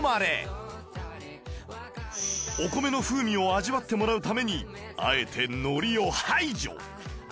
お米の風味を味わってもらうためにあえて海苔を排除